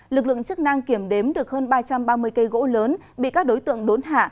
lực lượng chức năng kiểm đếm được hơn ba trăm ba mươi cây gỗ lớn bị các đối tượng đốn hạ